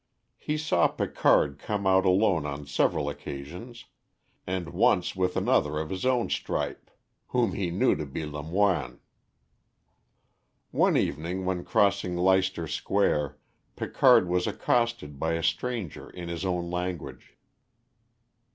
He saw Picard come out alone on several occasions, and once with another of his own stripe, whom he took to be Lamoine. One evening, when crossing Leicester Square, Picard was accosted by a stranger in his own language.